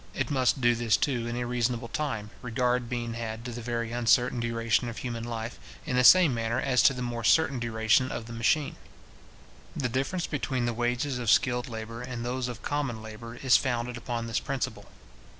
It must do this too in a reasonable time, regard being had to the very uncertain duration of human life, in the same manner as to the more certain duration of the machine. The difference between the wages of skilled labour and those of common labour, is founded upon this principle.